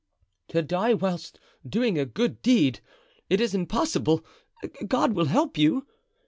"To die whilst doing a good deed! It is impossible. God will help you."